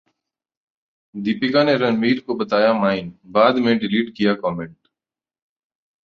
दीपिका ने रणवीर को बताया 'Mine', बाद में डिलीट किया कमेंट